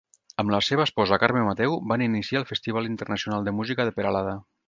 Amb la seva esposa Carme Mateu, van iniciar el Festival Internacional de Música de Peralada.